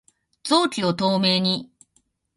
臓器を透明に